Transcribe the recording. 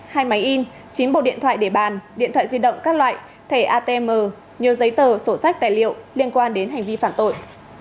hai máy in chín bộ điện thoại để bàn điện thoại di động các loại thẻ atm nhiều giấy tờ sổ sách tài liệu liên quan đến hành vi phạm tội